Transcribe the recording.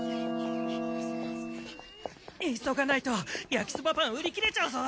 急がないと焼きそばパン売り切れちゃうぞ。